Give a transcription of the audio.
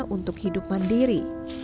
untuk hidup mandiri